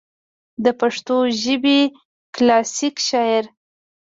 دَپښتو ژبې کلاسيکي شاعر